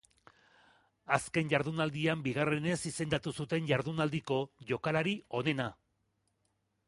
Azken jardunaldian bigarrenez izendatu zuten jardunaldiko jokalari onena.